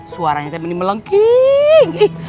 suaranya tapi ini melengking